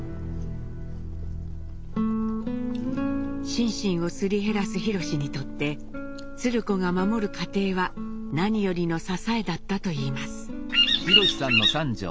心身をすり減らす廣にとって鶴子が守る家庭は何よりの支えだったといいます。